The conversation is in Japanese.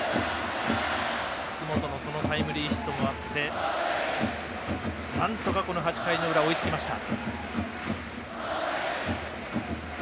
楠本のタイムリーヒットもあってなんとか８回の裏追いつきました。